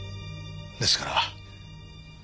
ですから。